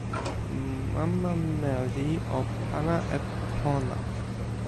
mama meli o pana e pona.